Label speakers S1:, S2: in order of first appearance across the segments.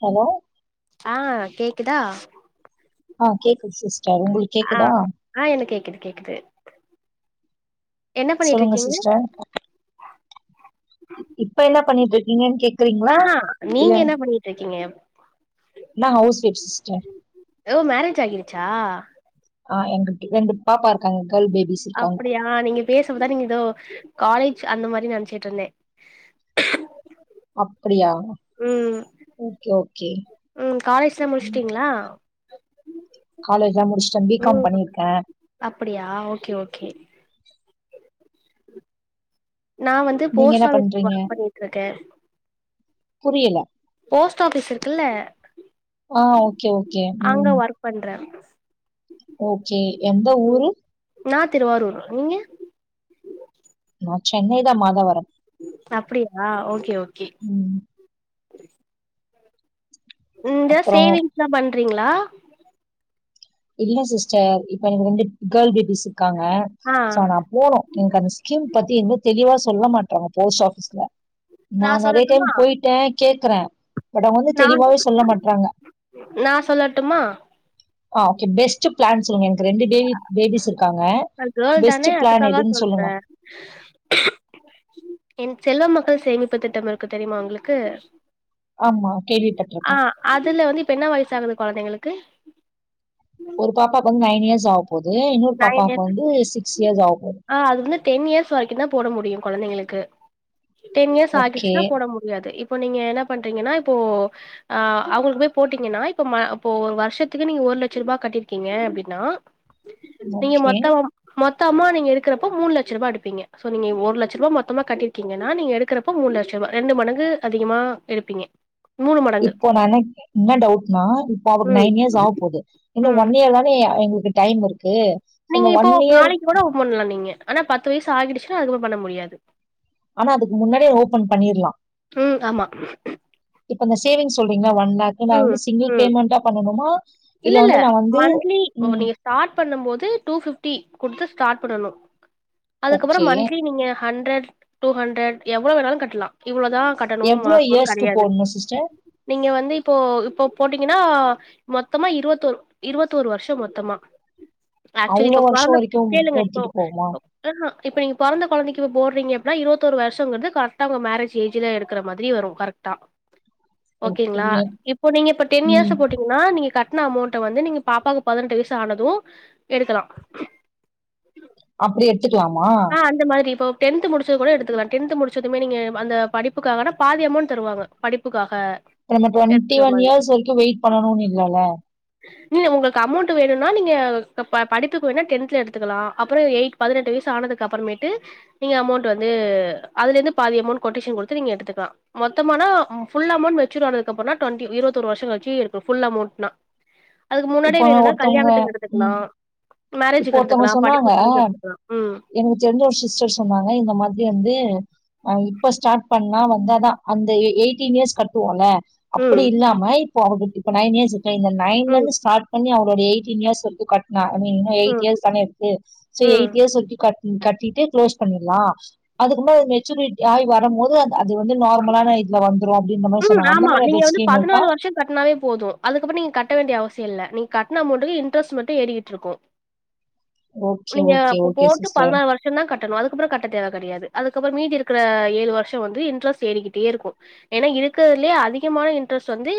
S1: Hello
S2: ஆ கேக்குதா
S1: ஆ கேக்குது சிஸ்டர் உங்களுக்கு
S2: ஆ
S1: கேக்குதா
S2: ஆ எனக்கு கேக்குது கேக்குது என்ன பண்ணிட்டு
S1: சொல்லுங்க
S2: இருக்கீங்க
S1: சிஸ்டர் இப்ப என்ன பண்ணிட்டு இருக்கீங்கன் கே
S2: ஆஹா நீங்க என்ன பண்ணிட்டு இருக்கீங்க
S1: நா ஹவுஸ் வைப் சிஸ்டர்
S2: ஓ மேரேஜ் ஆகிடுச்சா
S1: ஆ எங்கள்க்கு ரெண்டு பாப்பா இருக்காங்க கேள் பேபிஸ் இருக்காங்க
S2: ஆ நீங்க பேசும்போதா நீங்க ஏதோ காலேஜ் அந்த மாரி நெனச்சிக்கிட் இருந்தே
S1: அப்டியா
S2: ம்
S1: ஓகே ஓகே
S2: ம் காலேஜ்லா முடிச்சுட்டீங்களா
S1: காலேஜ்லா முடிச்சுட்டே பி காம்
S2: ம்
S1: பண்ணிருக்கே
S2: அப்டியா ஓகே ஓகே நா வந்து
S1: நீங்க
S2: போஸ்ட்
S1: என்ன
S2: ஆபிஸ்ல
S1: பண்றீங்க
S2: ஒர்க் பண்ணிட்டு இருக்கே
S1: புரியல
S2: போஸ்ட் ஆஃபீஸ் இருக்குல்ல
S1: ஆ ஓகே ஓகே
S2: அங்க
S1: ம்
S2: ஒர்க் பண்றே
S1: ஓகே எந்த
S2: ம்
S1: ஊரு
S2: நா திருவாரூர் நீங்க
S1: நா சென்னை தா மாதாவரம்
S2: அப்டியா ஓகே ஓகே
S1: ம்
S2: இந்த
S1: அப்புறோ
S2: சேவிங்ஸ்ல்லா பண்றீங்களா
S1: இல்ல சிஸ்டர் இப்ப எனக்கு வந்து கேர்ள் பேபிஸ் இருக்காங்க
S2: ஆ
S1: சோ நா போனு எனக்கு அந்த ஸ்கீம் பத்தி இன்னு தெளிவா சொல்ல மாட்டறாங்க போஸ்ட் ஆஃபீஸ்ல நா நெறய டைம் போயிட்டே கேக்குறே பட் அவங்க வந்து
S2: நா
S1: தெளிவாவே சொல்ல மாட்றாங்க
S2: நா சொல்லட்டுமா
S1: ஆ ஓகே பெஸ்ட் பிளான் சொல்லுங்க எனக்கு ரெண்டு பேபி பேபிஸ் இருக்காங்க
S2: அது கேர்ள் தானே
S1: பெஸ்ட் பிளான்
S2: அதுக்காக
S1: எதுன்னு
S2: சொல்றே
S1: சொல்லுங்க?
S2: என் செல்வ மகள் சேமிப்பு திட்டம் இருக்கு தெரியுமா உங்களுக்கு
S1: ஆமா
S2: ஆ
S1: கேள்விப்பட்ருக்கே
S2: அதுல வந்து இப்ப என்ன வயசு ஆகுது கொழந்தைங்களுக்கு
S1: ஒரு பாப்பாக்கு வந்து நைன் இயர்ஸ் ஆவ போது இன்னொரு
S2: நைன்
S1: பாப்பாக்கு
S2: இயர்ஸ்
S1: வந்து சிக்ஸ் இயர்ஸ் ஆவ போது
S2: ஆ அது வந்து டென் இயர்ஸ் வரைக்கு தா போட முடியு கொழந்தைங்களுக்கு டென் இயர்ஸ்
S1: ஓகே,
S2: ஆகிடுச்சுனா போட மு டியாது இப்போ நீங்க என்ன பண்றீங்கன்னா இப்போ ஆ அவுங்களுக்கு போய் போட்டீங்கன்னா இப்ப இப்போ ஒரு வருஷத்துக்கு நீங்க ஒரு லட்ச ரூபாய் கட்டிருக்கீங்க அப்டின்னா நீங்க
S1: ஓகே.
S2: மொத்தமாம் மொத்தமா நீங்க எடுக்குறப்ப மூணுலட்ச ரூபா எடுப்பீங்க சோ நீங்க ஒரு லட்ச ரூபா மொத்தமா கட்டிருக்கீங்கன்னா நீங்க எடுக்குறப் இப்ப மூணு லட்ச ரூபாய் ரெண்டு மடங்கு அதிகமா எடுப்பீங்க மூணு மடங்கு
S1: இப்ப நானு என்ன டவுட்னா இப்ப அவக்கு
S2: ம்
S1: நைன் இயர்ஸ் ஆவ போது இன்னு
S2: ம்
S1: ஒன் இயர் தானே எங்களுக்கு டைம் இருக்கு
S2: நீங்க
S1: அந்த
S2: இப்போ
S1: ஒன் இயர்
S2: நாளைக்கு கூட பண்ணலா நீங்க ஆனா பத்து வயசு ஆகிடுச்சுன்னா அதுவு பண்ண முடியாது
S1: ஆனா அதுக்கு முன்னாடியே ஓபன் பண்ணிர்லா
S2: ம் ஆமா
S1: இப்ப இந்த சேவிங் சொல்றீங்ள ஒன் பாக்கி நா
S2: ம்
S1: வந்து சிங்கிள்
S2: ம்
S1: பேமெண்டா பண்ணனுமா இல்ல வந்து நா வந்து
S2: மந்த்லி ஓ
S1: ம்
S2: நீங்க ஸ்டார்ட் பண்ணும் போது டூ ஃபிப்டி குடுத்து ஸ்டார்ட் பண்ணணு அதுக்கப்பறோ
S1: ஓகே
S2: மந்த்லி நீங்க ஹண்ட்ரட் டூ ஹண்ட்ரட் எவ்ளோ வேணாலு கட்டலா இவ்வளதா கட்டனு
S1: எவ்ளோ
S2: மாசோன்னு
S1: இயர்ஸ்க்கு
S2: கெடையாது
S1: போடணும் சிஸ்டர்
S2: நீங்க வந்து இப்போ இப்போ போட்டீங்கன்னா மொத் தமா இருவத்தோர் இருவத்தோரு வருஷோ மொத்தமா ஆக்சுவலி
S1: அவ்ளோ
S2: இப்ப
S1: வருஷம்
S2: கொழந்த
S1: வரைக்கும்
S2: கேளுங்க இப்போ
S1: எடுத்துட்டு போகுமா
S2: ஆஹா இப்ப நீங்க பொறந்த கொழந்தைக்கு இப்ப போடுறீங்க அப்னா இருபத்தோரு வருஷங்குறது கரக்டா அவங்க மேரேஜ் ஏஜ்ல எடுக்குற மாரி வரு கரெக்டா ஓகேங்களா
S1: ஓகே
S2: இப்போ நீங்க இப்ப டென்
S1: ம்
S2: இயர்ஸ் போட்டீங்கன்னா நீங்க கட்டுன அமௌண்ட வந்து நீங்க பாப்பாவுக்கு பதினெட்டு வயசு ஆனது எடுக்கலா
S1: அப்டி எடுத்துக்கலாமா
S2: ஆ அந்த மாரி இப்ப டென்த் முடிச்சது கூட எத்துக்கலா டென்த் முடிச்சதுமே நீங்க அந்த படிப்புக்காகனா பாதி அமௌண்ட் தருவாங்க படிப்புக்காக
S1: இப்ப நம்ம டுவெண்டி
S2: எடுத்துக்கிற மாதிரி
S1: ஒன் இயர்ஸ் வரைக்கு வெயிட் பண்ணணுன்னு இல்லல
S2: இல்ல உங்களுக்கு அமௌண்ட் வேணுன்னா நீங்க ப படிப்புக்கு வேணா டென்த்ல எடுத்துக்கலா அப்பறோ எயிட் பதினெட்டு வயசு ஆனதுக் கு அப்புறமேட்டு நீங்க அமௌண்ட் வந்து அதுல இருந்து பாதி அமௌண்ட் கொட்டேஷன் குடுத்து நீங்க எடுத்துக்கலா மொத்தமானா ஃபுல் அமௌண்ட் மெச்சூர் ஆனதுக்கு அப்பறன்னா டுவெண்டி இருபத்தோரு வருஷோ கழிச்சி இருக்க ஃபுல் அமௌண்ட்னா அதுக்கு முன்னாடியே
S1: இப்போ
S2: வேனுன்னா
S1: ஒருத்தவங்க
S2: கல்யாணத்துக்கு எடுத்துக்கலா
S1: ம் இப்போ
S2: மேரேஜூக்கு
S1: ஒருத்தவங்க
S2: எடுத்துக்லா
S1: சொன்னாங்க
S2: படிப்பு செலவுக்கு எடுத்துக்லா ம்
S1: எனக்கு தெரிஞ்ச ஒரு சிஸ்டர் சொன்னாங்க இந்த மாதிரி வந்து ஆ இப்ப ஸ்டார்ட் பண்ணா வந்தாதா அந்த எயிட்டீன் இயர்ஸ் கட்டுவோல
S2: ம்
S1: அப்டி இல்லாம இப் போ அவ இப்ப நைன் இயர்ஸ் இருக்கு இந்த நயன்ல
S2: ம்
S1: இருந்து ஸ்டார்ட் பண்ணி அவருடய எய்ட்டின் இயர்ஸ் வரைக்கு கட்ணா ஐ மீன் எயிட்
S2: ம்
S1: இயர்ஸ் தானே இருக்கு செரி
S2: ம்
S1: எயிட் இயர்ஸ் வரைக்கு கட் கட்டிட்டு க்ளோஸ் பண்ணீட்லா அதுக்கு முன்ன ஒரு மெச்சூரிட்டி ஆயி வருமோது அ அது வந்து நார்மலான இது ல வந்துரு அப்டின்ற மாறி
S2: ம்
S1: சொன்னாங்க
S2: ஆமா
S1: அந்த மாறி
S2: நீங்க
S1: எதாச்சு
S2: வந்து
S1: ஸ்கீம் இருக்கா
S2: பதினாலு வருஷோ கட்னாவே போது அதுக்கப்றோ நீங்க கட்ட வேண்டிய அவசியோ இல்ல நீங்க கட்ன அமௌண்ட்டுக்கு இன்ட்ரஸ்ட்டு மட்டு ஏறி கிட்டு இருக்கு
S1: ஓகே
S2: நீங்க
S1: ஓகே
S2: அப்ப
S1: ஓகே
S2: போட்டு
S1: சிஸ்டர்
S2: பதினாறு வரு ஷோதா கட்டணு அதுக்கப்றோ கட்ட தேவ கெடயாது அதுக்கப்றோ மீதி இருக்குற ஏழு வருசோ வந்து இன்ட்ரெஸ்ட் ஏறிக்கிட்டே இருக்கு ஏன்னா இருக்குறதுலயே அதிகமான இன்ட்ரெஸ்டு வந்து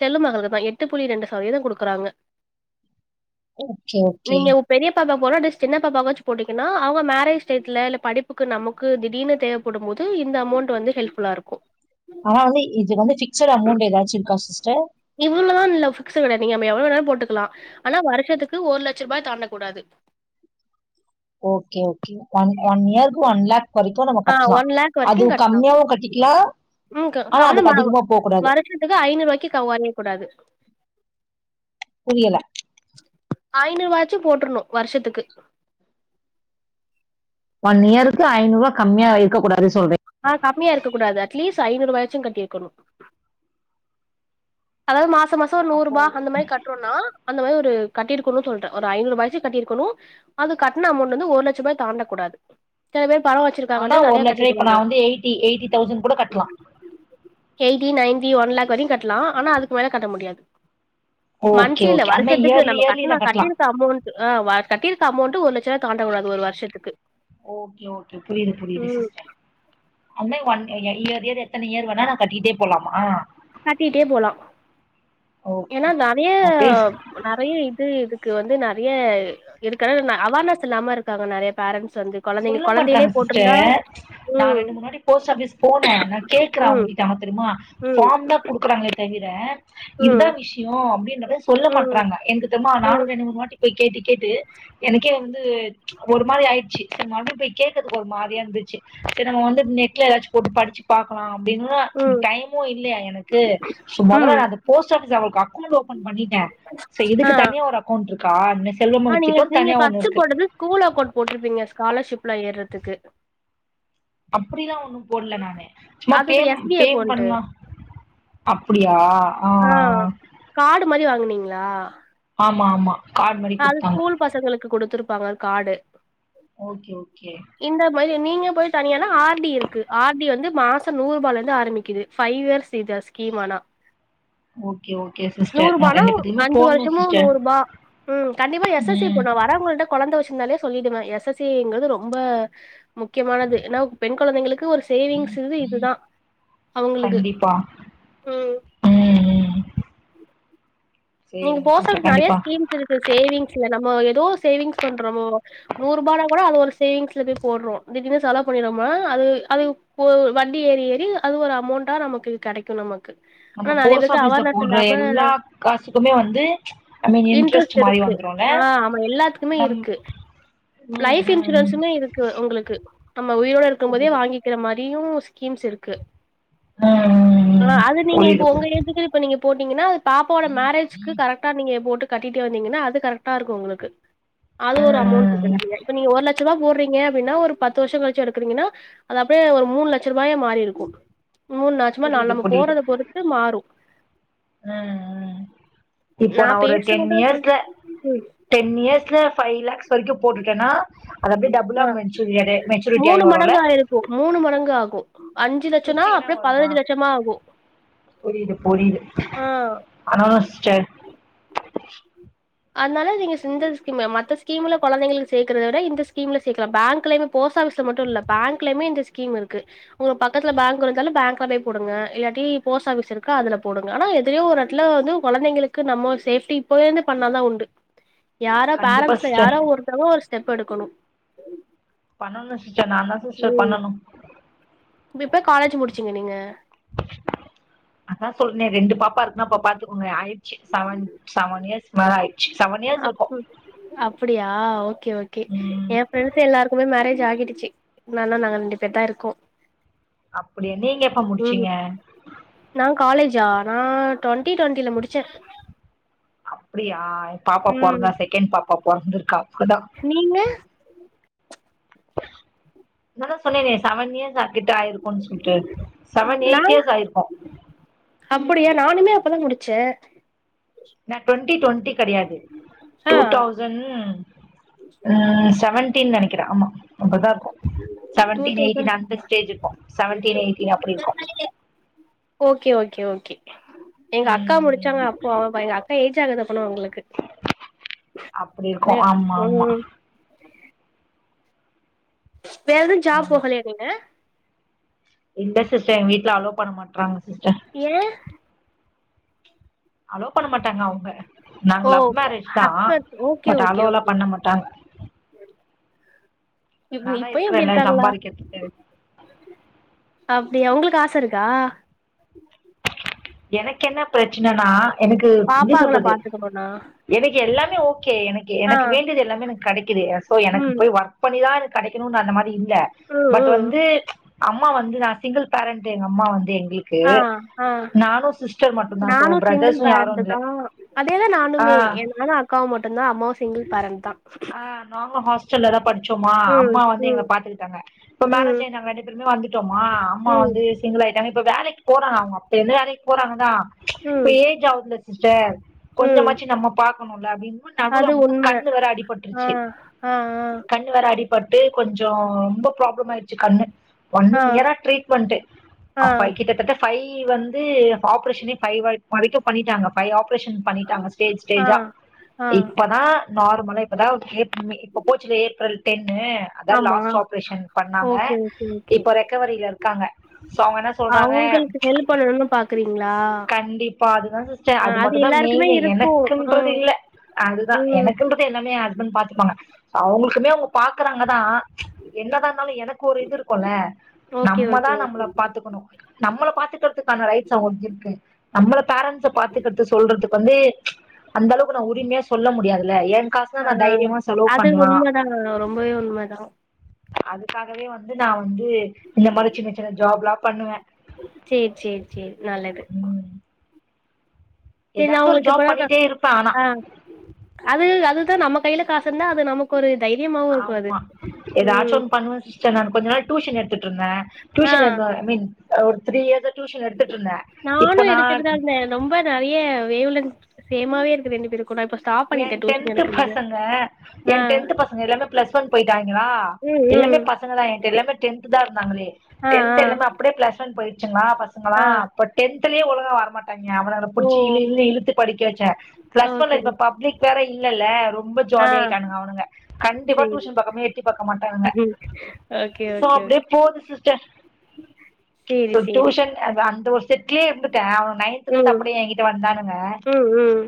S2: செல்வ மகளுக்கு தா எட்டு புள்ளி ரெண்டு சதவீதோ குடுக்குறாங்க
S1: ஓகே ஓகே
S2: நீங்க பெரிய பாப்பாக்கு போட்ல அட்லீஸ்ட் சின்னபாப்பாகாச்சு போட்டீங்கன்னா அவுங்க மேரேஜ் டேட்ல இல்ல படிப்புக்கு நமக் கு திடீர்னு தேவபடுபோது இந்த அமௌண்ட் வந்து ஹெல்ப்ஃபுல்லா இருக்கு
S1: ஆனா வந்து இது வந்து ஃபிக்ஸட் அமௌண்ட் எதாச்சு இருக்கா சிஸ்டர்
S2: இவ்ளோனு இல்ல ஃபிக்ஸ் கெடயாது நீங்க நம்ம எவ்ளோ வேனா போட்டுக்கலா ஆனா வருஷத்துக்கு ஒரு லட்ச ரூபா தாண்ட கூடாது
S1: ஓகே ஓகே ஒன் ஒன் இயர்க்கு ஒன் லேக் வரைக்கு நம்ம
S2: ஆ
S1: கட்லா
S2: ஒன் லேக்
S1: அதுவு
S2: வரைக்கும் கட்டலாம்
S1: கம்மியாவு கட்டிக்குலா ஆனா அதுக்கு அதிகமா போ கூடாது
S2: இப்ப தா ஐநூர்வாய்க்கு கவ் கொறய கூடாது
S1: புரியல
S2: ஐநூறுவாச்சு போட்றனு வருஷத்துக்கு
S1: ஒன் இயருக்கு ஐநூறுவா கம்மியா இருக்க கூடாது சொல்றி
S2: ஆ கம்மியா இருக்க கூடாது அட்லீஸ்ட் ஐநூறுவாயாச்சு கட்டிருக்கணு அதாவுது மாசோ மாசோ ஒரு
S1: அப்போ
S2: நூரூபா அந்த மாறி கட் றோனா அந்த மாறி ஒரு கட்டிருக்கணு சொல்றே ஒரு ஐநூறுவாயாசு கட்டிருக்கணு அது கட்ன அமௌண்டுலருந்து ஒரு லட்சருபாய தாண்ட கூடாது செல பேர் பண
S1: ஆனா
S2: வச்சிருக்காங்கன்ட்டு
S1: ரூ.
S2: நெறய
S1: இப்ப
S2: கட்டிட்டுவாங்க
S1: நான் வந்து கூட கட்டலாம்.
S2: எயிட்டி நயன்டி ஒன்லக் வரயு கட்லா ஆனா அதுக்கு மேல கட்ட முடியாது
S1: ஓகே,
S2: மன்த்லி இல்ல
S1: ஓகே. அந்த மாரி
S2: வருஷத்துக்கு
S1: இயர்லி
S2: நம்ம
S1: இயர்லி
S2: கட்ன
S1: நான் கட்டலாம்.
S2: கட்டிருக்க அமௌண்டு அ கட்டிருக்க அமௌண்டு ஒரு லட் சரூவா தாண்டகூடாது ஒரு வருஷத்துக்கு
S1: ஓகே, ஓகே.
S2: ம்
S1: அண்ணே ஒன் எ இயரு எத்தன இயரு வேணா நா கட்டிட்டே போலாமா
S2: கட்டிட்டே போலா
S1: ஓகே.
S2: ஏன்னா நெறய
S1: அது
S2: நெறய இது இதுக்கு வந்து நெறய இருக்கது அவேர்னஸ் இல்லாம இருக்காங்க நெறய பேரண்ஸ் வந்து கொழந்தைங்க
S1: சொல்ல
S2: கொழந்தையிலே
S1: மாட்றாங்க
S2: போட்டிருந்தா
S1: சிஸ்டர் நா
S2: ம்
S1: ரெண்டு மூனு வாட்டி போஸ்ட் ஆஃபிஸ் போனே நா கேக்குறே அவுங்க
S2: ம்
S1: கிட்ட ஹா தெரியுமா
S2: ம்
S1: ஃபார்ம் தா குடுக்குறாங்ளே தவிர இதுதா
S2: ம்
S1: விஷ்யோ அப்டின்றத சொல்ல
S2: ம்
S1: மாட்றாங்க எனக்கு த்தமா நானு
S2: ம்
S1: ரெண்டு மூணு வாட்டி போய் கேட்டு கேட்டு எனக்கே வந்து ஒரு மாறி ஆயிச்சு செரி மறுபடி போய் கேக்குறதுக்கு ஒரு மாறியா இருந்துச்சு சரி நம்ம வந்து நெட்ல ஏதாச்சு போட்டு படிச்சு பாக்கனு அப்டின்னா
S2: ம்
S1: டைமு இல்லயா எனக்கு சோ மொதல்ல
S2: ம்
S1: நா அந்த போஸ்ட் ஆபிஸ் அவளுக்கு அக் கௌண்ட் ஓபன் பண்ணிட்டே சே
S2: ஆ
S1: இதுக்கு தனியா ஒரு அக்கௌண்ட் இருக்கானு செல்வ
S2: ஆ
S1: மகள்
S2: நீங்க
S1: திட்டோனு
S2: நீங்க
S1: தனியா ஒண்ணு
S2: ஃபர்ஸ்ட்
S1: இருக்கு
S2: போட்டது ஸ்கூல் அக்கௌண்ட் போட்டிருப்பீங்க ஸ்காலர்ஷிப்லா ஏறதுக்கு
S1: அப்டிலா ஒண்ணு போட்ல நானு சும்மா
S2: அது
S1: ஃபேம்
S2: எஸ் பி
S1: ஃபேம்
S2: அக்கௌண்ட்
S1: பண்லா அப்டியா ஆ ஆ
S2: காடு மாரி வாங்குனீங்களா
S1: ஆமா ஆமா கார்டு மாதிரி
S2: அது
S1: கொடுத்தாங்க
S2: ஸ்கூல் பசங்களுக்கு குடுத்துருப்பாங்க காடு
S1: ஓகே ஓகே
S2: இந்த மாரி நீங்க போயி தனியானா ஆர் டி இருக்கு ஆர் டி வந்து மாசோ நூற்ரூபால இருந்து ஆரம்பிக்குது ஃபைவ் இயர்ஸ் இது ஸ்கீம் ஆனா
S1: ஓகே ஓகே சிஸ்டர் நா
S2: நூற்ரூபானா
S1: ரெண்டு பேத்துக்குமே
S2: அஞ்சு
S1: போட்ணு
S2: வருஷமு
S1: சிஸ்டர்
S2: நூற்ரூபா ம் கண்டிப்பா எஸ் எஸ் சி
S1: ம்
S2: போட்னு வரவங்கள்ட கொழந்தை வெச்சிருந்தாலே சொல்லிடுவே எஸ் எஸ் சி ங்கிறது ரொம்ப முக்கியமானது ஏனா பெண் கொழந்தைங்களுக்கு ஒரு சேவிங்ஸ்து இதுதா அவங்களுக்கு
S1: கண்டிப்பா
S2: ம்
S1: ம் ம்
S2: நீங்க
S1: சேரிங்க
S2: போஸ்ட்
S1: சிஸ்டர்
S2: ஆஃபீஸ் நெறைய
S1: கண்டிப்பா
S2: ஸ்கீம்ஸ் இருக்கு சேவிங்ஸ்ல நம்ம ஏதோ சேவிங்ஸ் பண்றோமோ நூற்ரூபானா கூட அது ஒரு சேவிங்ஸ்ல போய் போட்றோ திடீர்னு செலவு பண்ணிறோமா அது அது ஓ வட்டி ஏறி ஏறி அது ஒரு அமௌண்டா நமக்கு கெடைக்கு நமக்கு
S1: நம்ம
S2: ஆனா நெறைய
S1: போஸ்ட்
S2: பேருக்கு
S1: ஆபிஸ்ல
S2: அவேர்னஸ்
S1: போட்ற
S2: இல்லாம
S1: எல்லா காசுக்குமே வந்து ஐ மீன்
S2: இன்ட்ரெஸ்ட்
S1: மாரி
S2: இருக்கு
S1: வந்துருல்ல
S2: ஆ ஆமா எல்லாத்துக்குமே
S1: நம்
S2: இருக்கு
S1: ம்
S2: லைஃப்
S1: ம்
S2: இன்சூரன்சுமே இருக் கு உங்களுக்கு நம்ம உயிரோட இருக்கும் போதே
S1: புரியுது
S2: வாங்கிக்கிற மாரியு ஸ்கீம்ஸ் இருக்கு
S1: ம்
S2: ஆ
S1: ம் ம்
S2: அது
S1: புரியுது
S2: நீங்க இப்ப
S1: புரி
S2: உங்க
S1: ம்
S2: எய்சுக்கு இப்ப நீங்க போட்டீங்கன்னா அது பாப்பாவோட மேரேஜ்க்கு கரெக்ட் க்டா நீங்க போட்டு கட்டிட்டு வந்தீங்கன்னா அது கரெக்டா இருக்கு உங்களுக்கு அது ஒரு அமௌண்ட்
S1: ம்
S2: இருக்கு
S1: ம்
S2: நெறைய இப்ப நீங்க ஒரு லட்ச ரூபா போட்றீங் க அப்டின்னா ஒரு பத்து வருஷோ கழுச்சு எடுக்குறீங்கன்னா அது அப்டியே ஒரு மூணு லட்சரூபாயா மாறி இருக்கு மூணு [unintelligible] நால்
S1: புரியுது
S2: நம்ம
S1: புரியுது
S2: போட்றத பொறுத்து மாறு
S1: ம் ம் இப்போ நா ஒரு டென்
S2: பேசுறத சொல்ற
S1: இயர்ஸ்ல
S2: ம்
S1: டென் இயர்ஸ்ல ஃபைவ் லேக்ஸ் வரைக்கு போட்டுட்டனா அது அப்டியே டப் டபுலா
S2: ஆ
S1: மெஞ்சுரியா மெச்சூரிட்டி
S2: மூணு
S1: ஆயி வருல
S2: [unintelligible] மூணு மடங்கு ஆகு அஞ்சு லச்சோனா
S1: ஃபிப்டினா
S2: அப்டியே
S1: வருமா
S2: பதினஞ்சு லட்சமா ஆகு ஆ
S1: ஆனா சிஸ்டர்
S2: அதனால நீங்க சிந்த ஸ்கீம் மத்த ஸ்கீம்ல கொழந்தைளுக்கு சேக்கறத விட இந்த ஸ்கீம்ல சேக்கலா பேங்க்லயுமே போஸ்ட் ஆஃபீஸ்ல மட்டு இல்ல பேங்க்லயுமே இந்த ஸ்கீம் இருக்கு உங்க பக்கத்துல பேங்க் இருந்தாலு பேங்க்ல போய் போடுங்க இல்லாட்டி போஸ்ட் ஆஃபீஸ் இருக்கா அதுல போடுங்க ஆனா எதுலையோ ஒரு எடத்துல வந்து கொழந்தைங்களுக்கு நம்ம சேஃப்டி இப்போ இருந்து பண்ணாதா உண்டு யாரோ
S1: கண்டிப்பா
S2: பேரண்ட்ஸ்ல
S1: சிஸ்டர்
S2: யாரோ ஒருத்தவங்க ஒரு ஸ்டெப் எடுக்கணு
S1: பண்ணணு சிஸ்டர் நா தா சிஸ்டர் பண்ணணு
S2: எப்ப காலேஜ் முடிச்சீங்க நீங்க
S1: அதா சொல்லறேனே ரெண்டு பாப்பா இருக்குன்னா அப்ப பாத்துக்கோங்க ஆயிடுச்சு செவன் செவன் இயர்ஸ் மேல ஆய்
S2: அப் அப்பிடியா ஓ ஓகே ஓகே
S1: ம்
S2: ஏ ஃபிரெண்ட்ஸ் எல்லாருக்குமே மேரேஜ் ஆகிடுச்சு இன்னு நாங்க ரெண்டு பேரு தா இருக்கோ
S1: அப்பிடியா நீங்க எப்ப
S2: ம்
S1: முடிச்சீங்க
S2: நா காலேஜா நா டுவெண்ட்டி டுவெண்டில முடிச்சே
S1: அப்பிடியா ஏ பாப்பா
S2: ம்
S1: பொறந்த செகண்ட் பாப்பா பொறந்து இருக்கா அப்பதா
S2: நீங்க
S1: நாதா சொன்னனே செவன் இயர்ஸ் கிட்ட ஆயிருக்குன்னு சொல்லிட்டு செவன் எயிட் இயர்ஸ் ஆயிருக்கு
S2: அப்பிடியா நானுமே அப்பதா முடிச்சே
S1: நா டுவெண்டி டுவெண்டி கெடையாது
S2: ஆ
S1: டூ தௌசண்ட் ம் செவன்டீன் நெனைக்கிற ஆமா ரொம்பதா இருக்கு
S2: டூ
S1: செவன்டீன்
S2: தௌசண்ட்
S1: எயிட்டின் அந்த ஸ்டேஜ் இருக்கு செவன்டீன் எயிட்டின் அப்டி இருக்கு
S2: ஓகே ஓகே ஓகே எங்க அக்கா
S1: ம்.
S2: முடிச்சாங்க அப்போ பை காட் அப்ப ஏஜ் ஆகுது அப்பனா உங்களுக்கு
S1: அப்டி இருக்கு
S2: அ
S1: ஆமா மா
S2: ம் வேற எதுவு ஜாப்
S1: ஆமா.
S2: போகலயா நீங்க
S1: இல்ல சிஸ்டர் எங்க வீட்ல அலே பண்ண மாட்றாங்க சிஸ்டர்
S2: ஏன்
S1: அலோ பண்ண மாட்டாங்க அவங்க நாங்க
S2: ஓ
S1: லவ் மேரேஜ் தா பட் அலோலா பண்ண மாட்டாங்க
S2: இவங்க
S1: நானா
S2: இப்பயு இப்டி
S1: இருக்கிறேன்ல
S2: இருக்காங்களா
S1: சம்பாரிக்கிறதுக்கு.
S2: அப்டியா உங்களுக்கு ஆச இருக்கா
S1: எனக்கு என்ன பிரச்சனனா எனக்கு எப்டி
S2: பாப்பாங்கள
S1: சொல்றது
S2: பாத்துக்கணுனா
S1: எனக்கு எல்லாமே ஓகே எனக்கு
S2: ஆ
S1: எனக்கு வேண்டியது எல்லாமே எனக்கு கெடெக்குது சோ எனக்கு
S2: ம்
S1: போய் ஒர்க் பண்ணிதா எனக்கு கெடைக்கணு அந்த மாரி இல்ல
S2: ம்
S1: பட்
S2: ம்
S1: வந்து அம்மா வந்து நா சிங்கிள் பேரெண்ட் எங்க அம்மா வந்து எங்களுக்
S2: ஆ ஆ
S1: மட்டும் தான். சோ
S2: நானு சிங்கிள்
S1: பிரதர்ஸும் யாரும்
S2: பேரெண்ட்டு
S1: இல்ல.
S2: தா அதேதா
S1: ஆ
S2: நானுமே என்னால அக்காவு மட்டு தா அம்மாவு சிங்கிள் பேரெண்ட் தா
S1: ஆ நாங்களும் ஹாஸ்டல்ல தான் படிச்சோமா.
S2: ம்
S1: அம்மா வந்து
S2: ம்
S1: எங்கள பாத்துக்கிட்டாங்க. இப்ப மேரேஜ்
S2: ம்
S1: ஆயி நாங்க அடிட் டு பேருமே வந்துட்டோமா அம்மா
S2: ம்
S1: வந்து சிங்கிளாய்ட்டாங்க இப்ப வேலைக்கு போறாங்க அவங்க அப்ப இருந்தே வேலைக்கு போறாங்கதா
S2: ம்
S1: இப்ப ஏஜ் ஆவுதுல்ல சிஸ்டர்
S2: ம்
S1: கொஞ்சமாச்சு நம்ம பாக்கணுல அப்டின் நடுல
S2: அது
S1: அவங்களுக்கு
S2: உண்ம
S1: வந்து கண்ணுல வேற அடிபட்ருச்சு
S2: ஆ ஆ
S1: கண்ணு வேற அடிபட்டு கொஞ்சோ ரொம்ப ப்ராப்ள ஆய்ருச்சு கண்ணு ஒன்
S2: ஆ
S1: இயரா ட்ரீட்மெண்ட்
S2: ஆ ஆ
S1: அப்ப கிட்டத்தட்ட ஃபைவ் கி வந்து ஆப்ரேஷனே ஃபைவ் வரைக்கு பண்ணிட்டாங்க ஃபைவ் ஆப்ரேஷன் பண்ணிட்டாங்க ஸ்டேஜ்
S2: ஆ
S1: ஸ்டேஜா
S2: ஆ
S1: இப்பதா நார்மலா இப்பதா இப்ப போச்சுல ஏப்ரல் டென்னு அதா
S2: ஆமா
S1: லாஸ்ட் ஆப்ரேஷன் பண்ணாங்க
S2: ஓகே ஓகே ஓகே
S1: இப்ப ரெக்கவரில இருக்காங்க சோ அவங்க என்ன சொல்றாங்க
S2: அவங்களுக்கு ஹெல்ப் பண்ணணுனு பாக்குறீங்ளா
S1: கண்டிப்பா அதுதா சிஸ்டர் அது மட்டு தா
S2: எல்லாருக்குமே
S1: மெயினு
S2: இருக்கு
S1: எனக்குன்றது
S2: ம்
S1: இல்ல அதுதா
S2: ம்
S1: எனக்குன்றது வீட்ல எல்லாமே ஹஸ்பண்ட் பாத்துப்பாங்க அவுங்களுக்குமே அவுங்க பாக்கறாங்க தா என்னதா இருந்தாலு எனக் ஒரு இது இருக்குல
S2: ஓகே
S1: நம்ம தா
S2: ஓகே
S1: நம்மள
S2: ஓகே
S1: பாத்துக்கணு நம்மளப் பாத்து பாத்துக்கிறதுக்கான ரைட்ஸ் அவங்களுக்கிருக்கு நம்மள பேரண்ட்ஸ பாத்துக்கிறத சொல்றதுக்கு வந்து அந்த அளவுக்கு நா உரிமையா சொல்ல முடியாதுல்ல என் காசுன்னா நா தைரியமா செலவு
S2: அது
S1: பண்லா
S2: உண்மதா ஆ ரொம்பவே உண்ம தா
S1: அதுக்காகவே வந்து நா வந்து இந்த மாரி சின்ன சின்ன ஜாப்லா பண்ணுவ
S2: சேர் சேர் சேர் நல்லது
S1: ம்.
S2: தெரில
S1: ஏதாச்சும் ஒரு
S2: அவுங்களுக்கு இப்ப
S1: ஜாப்
S2: தா
S1: பண்ணிட்டே இருப்பேன் ஆனா.
S2: ஆ அது அதுதா நம்ம கைல காசு இருந்தா அது நம்ம ஒரு தைரியமாவு இருக்குல அது ம்
S1: சர் நா கொஞ்சோ நாள் டியூஷன் எடுத்துட்ருந்த டியூஷன்
S2: ஆ
S1: எடுத்துட் ஐ மீன் ஒரு த்ரீ இயர்ஸா டியூஷன் எடுத்துட்டு இருந்த இப்ப நான்
S2: நெறய வேவ் லென்த் சேமாவே இருக்கு ரெண்டு பேருக்கு கொஞ் நேரத்துல சாப்ட்
S1: என் டென்த்து பசங்க
S2: ஆ
S1: என் டென்த்து பசங்க எல்லாமே பிளஸ் ஒன் போயிட்டாய்ங்களா
S2: ம் ம்
S1: எல்லாமே பசங்கதா என்ட்ட எல்லாமே டென்த்துதா இருந்தாங்களே
S2: ஆ ஆ
S1: டென்த் எல்லாமே அப்டியே பிளஸ் ஒன் போயிடுச்சுங்களா பச சங்களா
S2: ஆ
S1: அப்ப டென்த்லே ஒழுங்கா வர மாட் டாய்ங்க அவனுகள
S2: ஓ
S1: புடிச்ச இழு இழுன்னு இழுத்து படிக்க வச்சே பிளஸ் ஒன்ல
S2: ஓகே
S1: இப்ப பப்ளிக் வேற இல்லல்லே ரொம் ரொம்ப
S2: ஆ
S1: ஜாலி ஆயிட்டானுங்க அவனுங்க கண்டிப்பா
S2: சேரி
S1: டியூஷன் பக்கமே எட்டி பாக்க மாட்டானுங்க
S2: ஓகே ஓகே
S1: சோ
S2: ஓகே
S1: அப்டியே போது சிஸ்டர்
S2: சேரி
S1: சோ
S2: சேரி
S1: டியூஷன் அது அந்த ஒரு செட்லயே இருந்துட்டே அவங் நைன்த்ல இருந்து
S2: ம்
S1: அப்பிடியே எங்கிட்ட வந்தானுங்க
S2: ம் ம்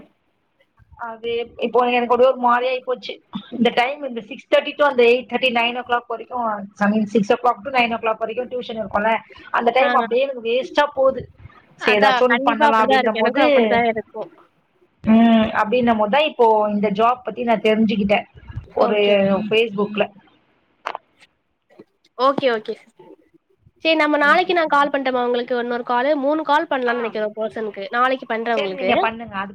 S1: அது இப்போ எனக்கு ஒரே ஒரு மாரி ஆயி போச்சு இந்த டைம் இந்த சிக்ஸ் தேர்டி டு அந்த eight thirty nine o'clock வரேக்கு சமயம் six o'clock to nine o'clock வரைக்கு டியூஷன் இருக்குல்ல அந்த
S2: ஆ
S1: டைம் அப்டியே எனக்கு வேஸ்ட்டா போது சேர்
S2: அதா
S1: எதாச்சு ஒன்னு
S2: கண்டிப்பா
S1: பண்ணலா
S2: அப்டிதா இருக்கு
S1: அப்டின்னம்
S2: எனக்கு
S1: போது
S2: அப்டித்தா இருக்கு
S1: ம் அப்டின்னம் போதுதா இப்போ இந்த ஜாப் பத்தி நா தெரிஞ்சுக்கிட்டே
S2: ஓகே
S1: ஒரு
S2: ஓகே
S1: ஃபேஸ்புக்ல
S2: ஓகே ஓகே சிஸ் சேர் நம்ம
S1: ஓகே
S2: நாளைக்கு நா
S1: சார்.
S2: கால் பண்ணட்டுமா உங்களுக்கு இன்னொரு கால் மூணு கால்
S1: ஆ
S2: பண்ணலானு நெனைக்கிற ஒரு பர்சனுக்கு நாளைக்கு பண்ற
S1: சரி
S2: உங்களுக்கு
S1: நீங்க பண்ணுங்க அதுக்கப்